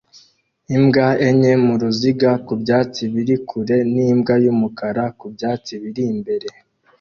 Imbwa enye mu ruziga ku byatsi biri kure n'imbwa y'umukara ku byatsi biri imbere